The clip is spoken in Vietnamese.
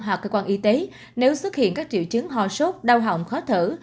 hoặc cơ quan y tế nếu xuất hiện các triệu chứng hò sốt đau hỏng khó thở